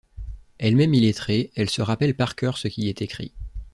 Elle-même illettrée, elle se rappelle par cœur ce qui y est écrit.